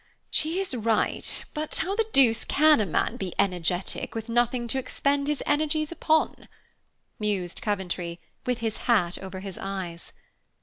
She is right, but how the deuce can a man be energetic, with nothing to expend his energies upon?" mused Coventry, with his hat over his eyes.